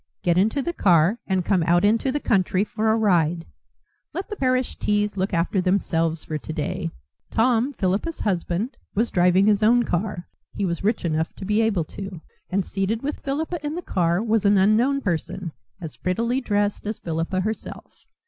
Get into the car and come out into the country for a ride. Let the parish teas look after themselves for today." Tom, Philippa's husband, was driving his own car he was rich enough to be able to and seated with Philippa in the car was an unknown person, as prettily dressed as Philippa herself.